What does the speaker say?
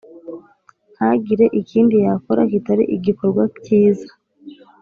ntagire ikindi yakora, kitari igikorwa cyiza.